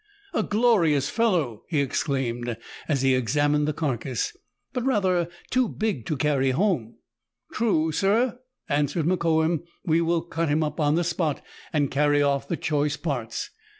* "A glorious fellow!" he exclaimed, as he examined the carcase ;" but rather too big to carry home." " True, sir," answered Mokoum ;" we will cut him up on the spot, and carry off the choice parts.